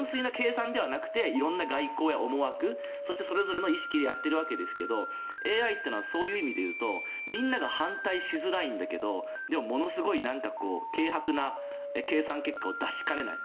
今はその辺は純粋な計算ではなくて色んな外交や思惑それぞれの意識でやっているわけですがＡＩというのはそういう意味で言うとみんなが反対しづらいんだけどでも、ものすごい軽薄な計算結果を出しかねない。